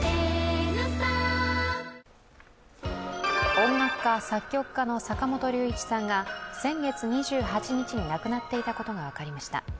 音楽家・作曲家の坂本龍一さんが先月２８日に亡くなっていたことが分かりました。